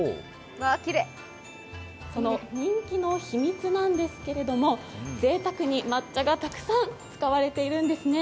その人気の秘密なんですけれども、ぜいたくに抹茶がたくさん使われているんですね。